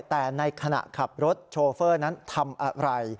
แต่ในขณะขับรถโชเฟอร์นั้นทำอะไร